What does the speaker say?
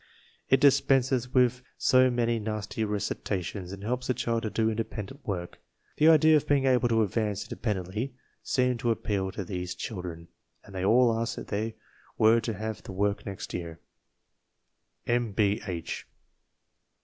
It dispenses with so many hasty recitations and helps the child to do inde pendent work. The idea of being able to advance inde pendently seemed to appeal to these children, and they all asked if we were to have the work next year." (M. B. H.)